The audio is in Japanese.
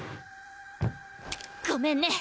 ごめんね。